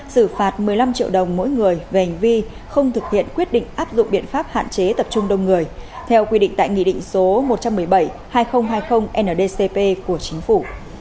xử phạt một mươi năm triệu đồng mỗi người về hành vi không thực hiện quyết định áp dụng biện pháp hạn chế tập trung đông người theo quy định tại nghị định số một trăm một mươi bảy hai nghìn hai mươi ndcp của chính phủ